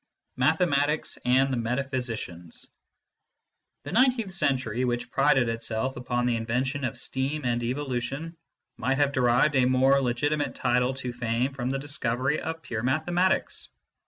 V MATHEMATICS AND THE METAPHYSICIANS THE nineteenth century, which prided itself upon the invention of steam and evolution, might have derived a more legitimate title to fame from the discovery of pure mathematics.